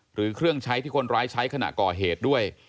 หรือเครื่องใช้ที่คนร้ายใช้ขณะก่อเหตุด้วย